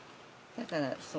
だからそう。